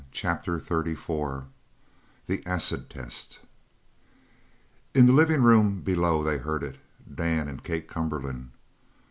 CHAPTER XXXIV THE ACID TEST In the living room below they heard it, Dan and Kate Cumberland.